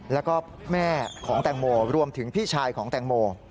แล้วก็แม่ของแตงโมรวมถึงพี่ชายของแตงโม